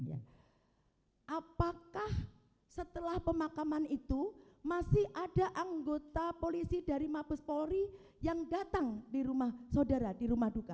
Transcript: apakah setelah pemakaman itu masih ada anggota polisi dari mabes polri yang datang di rumah saudara di rumah duka